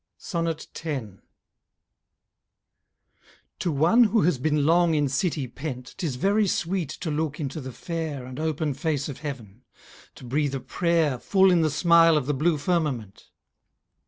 X. To one who has been long in city pent, 'Tis very sweet to look into the fair And open face of heaven, to breathe a prayer Full in the smile of the blue firmament.